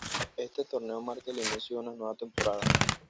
Este torneo marca el inicio de una nueva temporada.